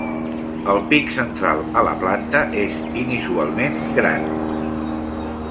El pic central a la planta és inusualment gran.